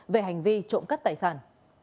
về hành vi trộm cắt tài sản